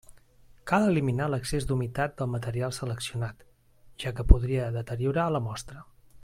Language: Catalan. Cal eliminar l'excés d'humitat del material seleccionat, ja que podria deteriorar la mostra.